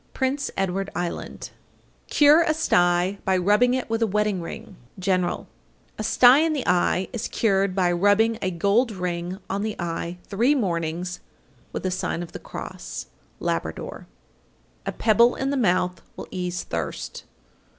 Prince Edward Island. 866. Cure a sty by rubbing it with a wedding ring. General. 867. A sty in the eye is cured by rubbing a gold ring on the eye three mornings with a sign of the cross. Labrador. 868. A pebble in the mouth will ease thirst.